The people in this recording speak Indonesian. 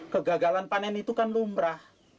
kegagalan panen itu kan lumrah